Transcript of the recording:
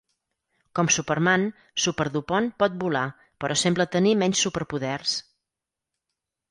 Com Superman, Superdupont pot volar, però sembla tenir menys superpoders.